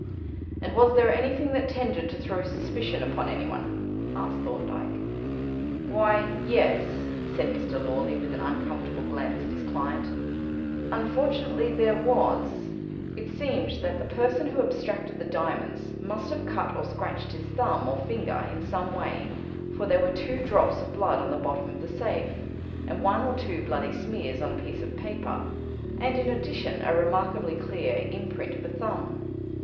"And was there anything that tended to throw suspicion upon anyone?" asked Thorndyke. "Why, yes," said Mr. Lawley, with an uncomfortable glance at his client, "unfortunately there was. It seemed that the person who abstracted the diamonds must have cut or scratched his thumb or finger in some way, for there were two drops of blood on the bottom of the safe and one or two bloody smears on a piece of paper, and, in addition, a remarkably clear imprint of a thumb."